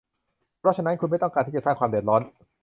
เพราะฉะนั้น คุณไม่ต้องการที่จะสร้างความเดือดร้อน